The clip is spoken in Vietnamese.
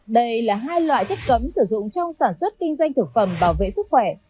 đây là hai loại chất cấm sử dụng trong sản xuất kinh doanh thực phẩm bảo vệ sức khỏe